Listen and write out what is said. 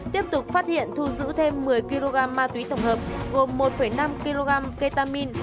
tiếp tục phát hiện thu giữ thêm một mươi kg ma túy tổng hợp gồm một năm kg ketamin